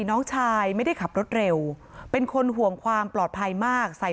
น้องชายไม่ได้ขับรถเร็วเป็นคนห่วงความปลอดภัยมากใส่